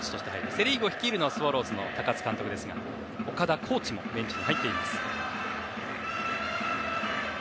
セ・リーグを率いるのはスワローズの高津監督ですが岡田コーチもベンチに入っています。